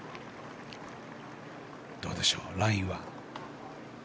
どうでしょう、ラインは。